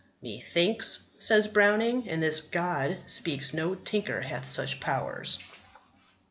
"Methinks," says Browning, "in this God speaks, no tinker hath such powers."